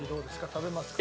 食べますか？